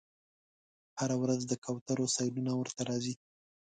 هره ورځ د کوترو سیلونه ورته راځي